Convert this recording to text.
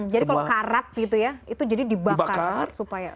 jadi kalau karat gitu ya itu jadi dibakar supaya